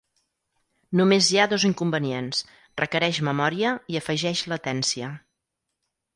Només hi ha dos inconvenients: requereix memòria i afegeix latència.